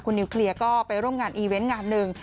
นิวเคลียร์ก็ไปร่วมงานอีเวนต์งานหนึ่ง